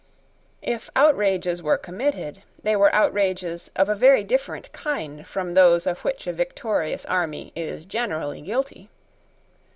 If outrages were committed, they were outrages of a very different kind from those of which a victorious army is generally guilty.